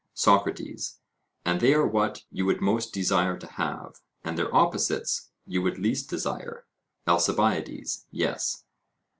SOCRATES: And they are what you would most desire to have, and their opposites you would least desire? ALCIBIADES: Yes.